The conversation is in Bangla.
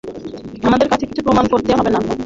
আমার কাছে কিছু প্রমাণ করতে হবে না তোমাকে।